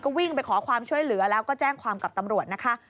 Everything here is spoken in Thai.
วิ่งไปขอความช่วยเหลือแล้วก็แจ้งความกับตำรวจนะคะ